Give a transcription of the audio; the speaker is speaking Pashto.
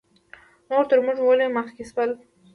نور تر موږ ولې مخکې شول؟